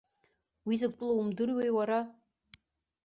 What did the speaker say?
Уи закә тәылоу умдыруеи уара?